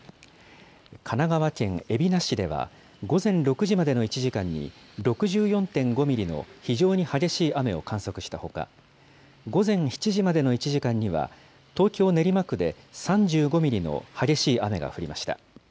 神奈川県海老名市では、午前６時までの１時間に、６４．５ミリの非常に激しい雨を観測したほか、午前７時までの１時間には、東京・練馬区で３５ミリの激しい雨が降りました。